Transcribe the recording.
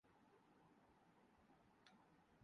جب انہیں بتایا جائے کہ مذہب ان سے کیا چاہتا ہے۔